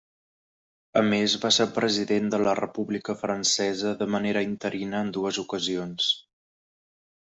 A més, va ser president de la República Francesa de manera interina en dues ocasions.